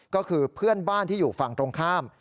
ก็คือเพื่อนบ้านที่อยู่ฝั่งตรงข้าม